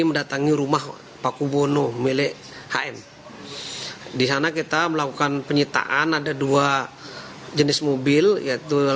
mendatangi rumah paku bono milik hn disana kita melakukan penyitaan ada dua janis mobil yaitu